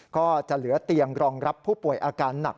ก็จะเหลือเตียงรองรับผู้ป่วยอาการหนัก